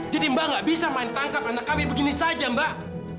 jadi mbak nggak bisa main tangkap anak kami begini saja mbak